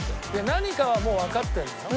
何かはもうわかってるのよ。